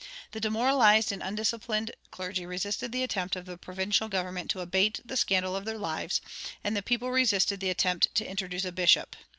The demoralized and undisciplined clergy resisted the attempt of the provincial government to abate the scandal of their lives, and the people resisted the attempt to introduce a bishop.